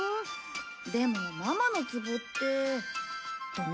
でもママのツボってどんなツボ？